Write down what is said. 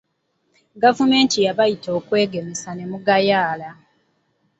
Gavumenti yabayita okwegemesa ne mugayaala.